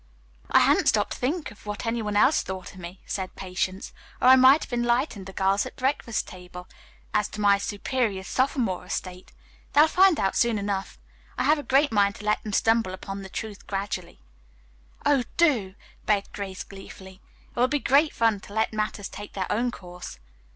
"I hadn't stopped to think of what any one else thought of me," said Patience, "or I might have enlightened the girls at the breakfast table as to my superior sophomore estate. They'll find out soon enough. I have a great mind to let them stumble upon the truth gradually." "Oh, do," begged Grace gleefully. "It will be great fun to let matters take their own course."